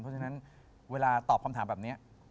เพราะฉะนั้นเวลาตอบคำถามแบบนี้